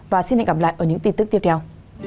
và xin hẹn gặp lại ở những tin tức tiếp theo